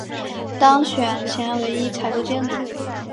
当选前为一采购经理。